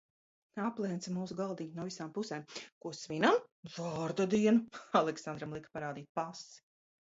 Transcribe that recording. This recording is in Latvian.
Aplenca mūsu galdiņu no visām pusēm. Ko svinam? Vārda dienu! Aleksandram lika parādīt pasi.